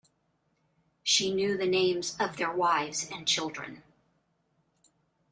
She knew the names of their wives and children.